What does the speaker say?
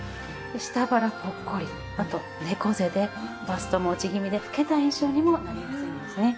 下腹ポッコリあと猫背でバストも落ち気味で老けた印象にもなりやすいんですね。